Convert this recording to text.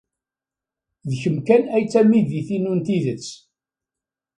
D kemm kan ay d tamidit-inu n tidet.